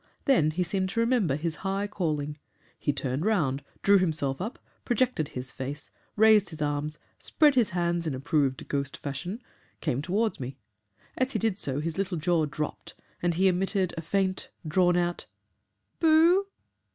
Then he seemed to remember his high calling. He turned round, drew himself up, projected his face, raised his arms, spread his hands in approved ghost fashion came towards me. As he did so his little jaw dropped, and he emitted a faint, drawn out 'Boo.'